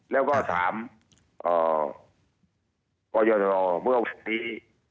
แล้วก็ถามบริษัทธรรมดี